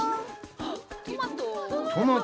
トマト。